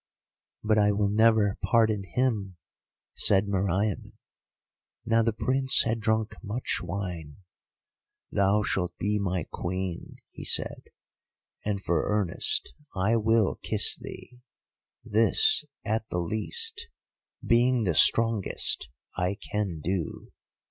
"'But I will never pardon him,' said Meriamun. "Now the Prince had drunk much wine. "'Thou shalt be my Queen,' he said, 'and for earnest I will kiss thee. This, at the least, being the strongest, I can do.